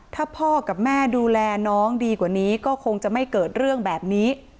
ถ้าพ่อกับแม่ดูแลน้องดีกว่านี้ก็คงจะไม่เกิดเรื่องแบบนี้